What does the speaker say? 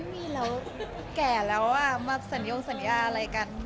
ไม่มีแล้วแก่แล้วอะมาสัญญาอะไรกัน